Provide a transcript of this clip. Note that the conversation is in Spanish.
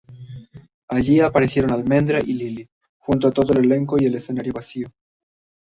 Allí aparecieron Almendra y Lily, junto a todo el elenco y el escenario vacío.